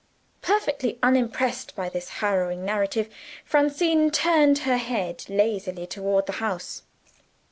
Perfectly unimpressed by this harrowing narrative, Francine turned her head lazily toward the house.